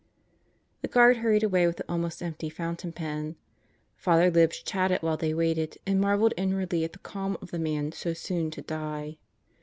The guard hurried away with the almost empty fountain pen. Father Libs chatted while they waited and marveled inwardly at the calm of the man so soon to die.